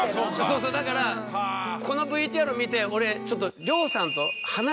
そうそうだからこのＶＴＲを見て俺ちょっと。